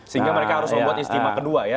sehingga mereka harus membuat istimewa kedua ya